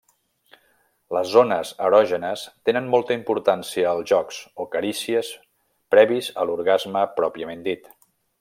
Les zones erògenes tenen molta importància als jocs, o carícies, previs a l'orgasme pròpiament dit.